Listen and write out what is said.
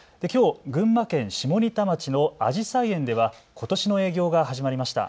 きょう群馬県下仁田町のあじさい園ではことしの営業が始まりました。